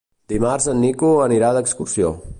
Dimarts en Nico anirà d'excursió.